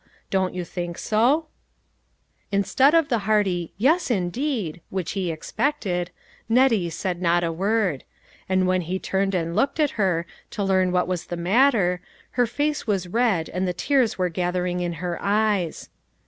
Don't you think so ?" Instead of the hearty, "yes, indeed," which he expected, Nettie said not a word ; and when he turned and looked at her, to learn, what was the matter, her face was red and the tears were gathering in her eyes.